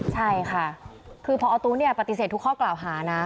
ใช่ค่ะคือพอตู้ปฏิเสธทุกข้อกล่าวหานะ